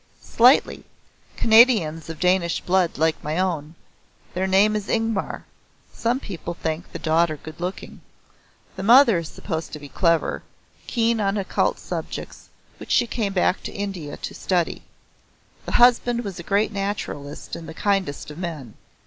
"Slightly. Canadians of Danish blood like my own. Their name is Ingmar. Some people think the daughter good looking. The mother is supposed to be clever; keen on occult subjects which she came back to India to study. The husband was a great naturalist and the kindest of men.